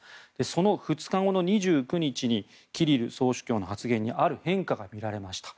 その２日後の２９日にキリル総主教の発言にある変化が見られました。